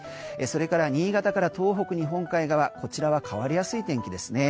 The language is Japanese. それから新潟から東北日本海側は変わりやすい天気です。